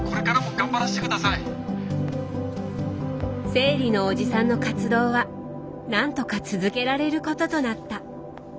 生理のおじさんの活動はなんとか続けられることとなった。